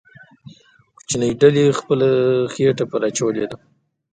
کوچنۍ ډلې پرې خېټه اچولې وه.